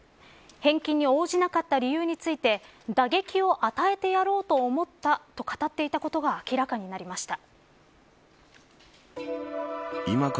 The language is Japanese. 返金に応じなかった理由について打撃を与えてやろうと思ったと語っていたことが明らかになりました。